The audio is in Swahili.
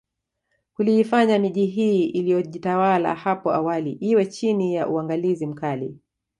Kuliifanya miji hii iliyojitawala hapo awali iwe chini ya uangalizi mkali